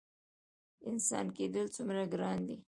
انسان کیدل څومره ګران دي؟